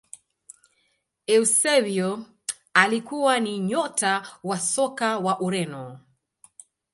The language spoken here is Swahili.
eusebio alikuwa ni nyota wa soka wa ureno